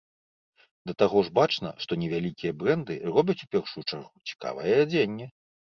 Да таго ж бачна, што невялікія брэнды робяць у першую чаргу цікавае адзенне.